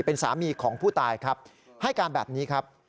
เป็นสามีของผู้ตายครับให้การแบบนี้ครับ